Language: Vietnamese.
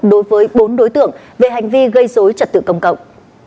đối với bốn đối tượng về hành vi gây dối trật tự công cộng